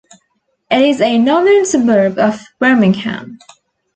It is a northern suburb of Birmingham.